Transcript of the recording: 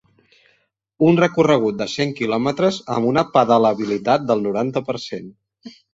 Un recorregut de cent quilòmetres amb una pedalabilitat del noranta per cent.